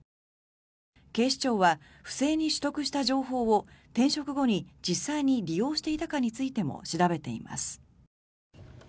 警視庁は不正に取得した情報を転職後に実際に利用していたかについても調べています。